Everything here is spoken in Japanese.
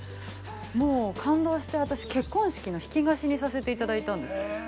もう感動して、私、結婚式の引き菓子にさせていただいたんですよ。